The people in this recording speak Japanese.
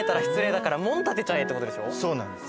そうなんです。